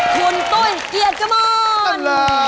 คุณต้นเกียรติกะม่อน